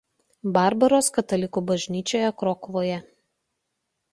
Barbaros katalikų bažnyčioje Krokuvoje.